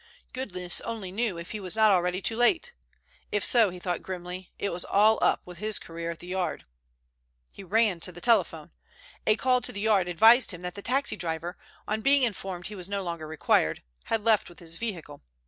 Goodness only knew if he was not already too late. If so, he thought grimly, it was all up with his career at the Yard. He ran to the telephone. A call to the Yard advised him that the taxi driver, on being informed he was no longer required, had left with his vehicle.